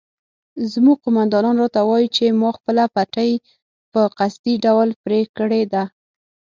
زموږ قومندان راته وایي چې ما خپله پټۍ په قصدي ډول پرې کړې ده.